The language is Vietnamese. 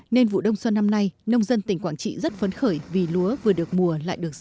nên vụ đông xuân năm nay nông dân tỉnh quảng trị rất phấn khởi vì lúa vừa được mùa lại được giá